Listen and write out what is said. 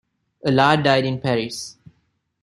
Alard died in Paris.